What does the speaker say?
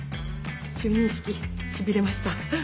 就任式シビれました。